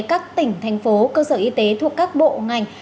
các tỉnh thành phố cơ sở y tế thuộc các bộ ngành